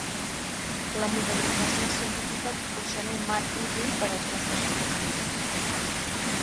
La modelització científica proporciona un marc útil per als nous enfocaments.